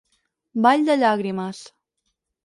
Vall de llàgrimes.